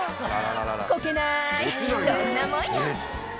「こけないどんなもんよ！」